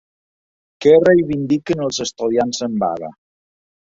Què reivindiquen els estudiants en vaga?